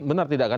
benar tidak kan